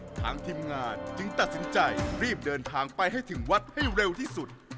ทางทีมงานจึงตัดสินใจรีบเดินทางไปให้ถึงวัดให้เร็วที่สุด